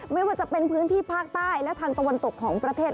ไม่ว่าจะเป็นพื้นที่ภาคใต้และทางตะวันตกของประเทศ